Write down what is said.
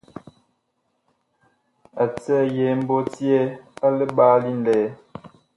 A cɛyɛɛ mbɔti yɛɛ a liɓaalí ŋlɛɛ.